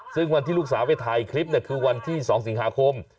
ซึ่งวันที่ลูกสาวไปถ่ายคลิปคือวันที่๒สิงหาคม